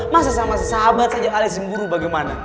masa sama sahabat saja alis cemburu bagaimana